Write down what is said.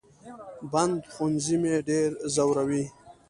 بند ښوونځي مې ډېر زوروي